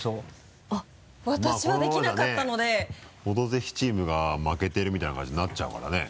ぜひチームが負けてるみたいな形になっちゃうからね。